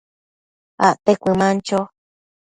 acte cuëman cho